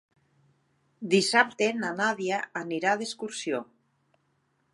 Dissabte na Nàdia anirà d'excursió.